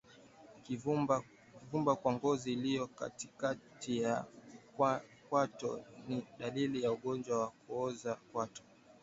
Kuvimba kwa ngozi iliyo katikati ya kwato ni dalili ya ugonjwa wa kuoza kwato